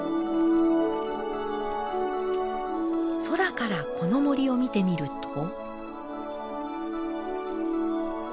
空からこの森を見てみると。